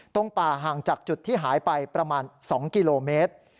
ป่าห่างจากจุดที่หายไปประมาณ๒กิโลเมตร